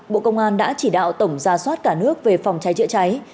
bộ công an đã chỉ đạo tổng gia soát cả nước về phòng cháy chữa cháy